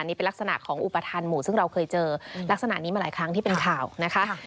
นี่เป็นลักษณะของอุปทานหมู่ซึ่งเราเคยเจอลักษณะนี้มาหลายครั้งที่เป็นข่าวนะคะ